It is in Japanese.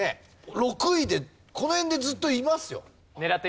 ６位でこの辺でずっといますよ。